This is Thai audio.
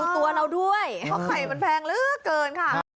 เออดูตัวเราด้วยเพราะไข่มันแพงลื้อเกินค่ะกินข้าวเยอะให้หนักท้อง